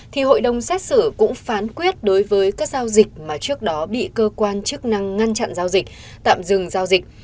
thì hội đồng xét xử cũng phán quyết đối với các giao dịch mà trước đó bị cơ quan chức năng ngăn chặn giao dịch tạm dừng giao dịch